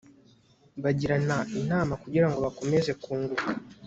bagirana inama kugira ngo bakomeze kunguka